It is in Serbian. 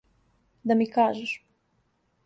Да ми кажеш.